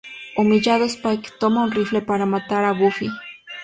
Humillado, Spike toma un rifle para matar a Buffy.